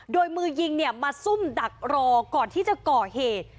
โดยมือยิงเนี่ยมาซุ่มดักรอก่อนที่จะก่อเหตุ